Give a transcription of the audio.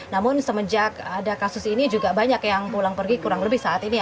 namun semenjak ada kasus ini juga banyak yang pulang pergi kurang lebih saat ini